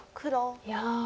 いや。